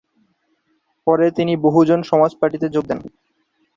পরে তিনি বহুজন সমাজ পার্টিতে যোগ দেন।